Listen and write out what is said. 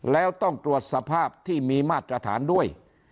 แล้วต้องตรวจสภาพที่มีมาตรฐานด้วย